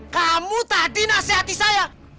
kamu tadi nasihati saya